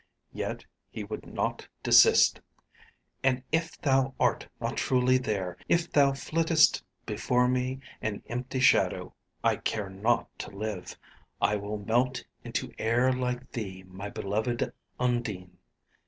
Yet he would not desist. "And if thou art not truly there, if thou flittest before me an empty shadow, I care not to live; I will melt into air like thee, my beloved Undine!"